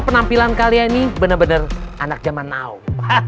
penampilan kalian ini bener bener anak jaman now